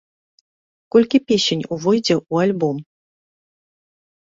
Колькі песень увойдзе ў альбом?